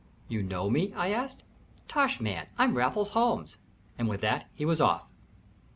"You know me?" I asked. "Tush, man I'm Raffles Holmes!" and with that he was off.